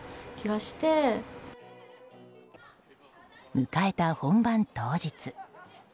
迎えた本番当日。